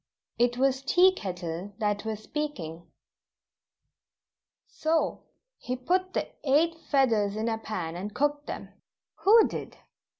It was Tea Kettle that was speaking: "So, he put the eight feathers in a pan, and cooked them " "Who did?"